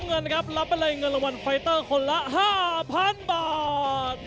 เงินรางวัลไฟเตอร์คนละ๕๐๐๐บาท